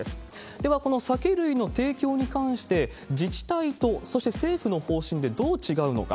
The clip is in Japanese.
では、この酒類の提供に関して、自治体とそして政府の方針でどう違うのか。